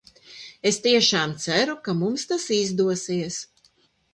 Es tiešām ceru, ka mums tas izdosies.